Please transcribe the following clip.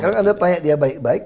karena anda tanya dia baik baik